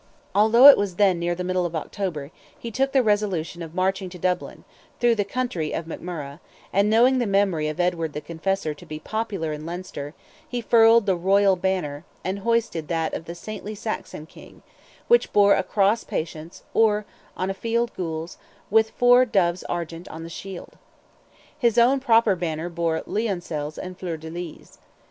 Although it was then near the middle of October, he took the resolution of marching to Dublin, through the country of McMurrogh, and knowing the memory of Edward the Confessor to be popular in Leinster, he furled the royal banner, and hoisted that of the saintly Saxon king, which bore "a cross patence, or, on a field gules, with four doves argent on the shield." His own proper banner bore lioncels and fleur de lis.